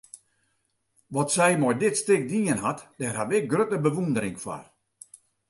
Wat sy mei dit stik dien hat, dêr haw ik grutte bewûndering foar.